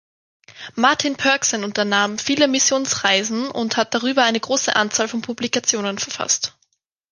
Martin Pörksen unternahm viele Missionsreisen und hat darüber eine große Anzahl von Publikationen verfasst.